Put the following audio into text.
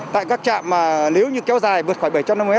tại các trạm mà nếu như kéo dài vượt khoảng bảy trăm năm mươi m